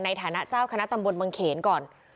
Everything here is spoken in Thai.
ในฐานะเจ้าคณะตำบลบังเขนก่อน